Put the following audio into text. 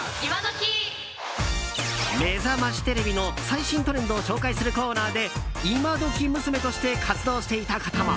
「めざましテレビ」の最新トレンドを紹介するコーナーでいまドキ★ムスメとして活躍していたことも。